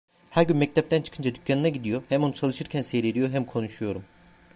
Her gün mektepten çıkınca dükkanına gidiyor, hem onu çalışırken seyrediyor, hem konuşuyorum.